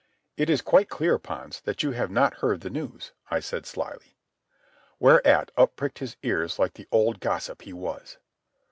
"It is quite clear, Pons, that you have not heard the news," I said slyly. Whereat up pricked his ears like the old gossip he was.